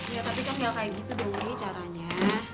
ya tapi kan nggak kayak gitu dulu caranya